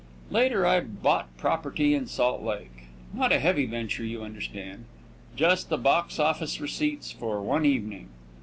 Later I bought property in Salt Lake. Not a heavy venture, you understand. Just the box office receipts for one evening.